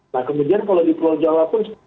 nah kemudian kalau di pulau jawa pun